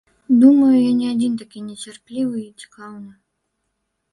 Думаю, я не адзін такі нецярплівы і цікаўны.